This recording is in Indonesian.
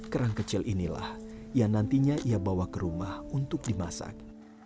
kerang kecil inilah yang nantinya ia bawa ke rumah untuk dimasak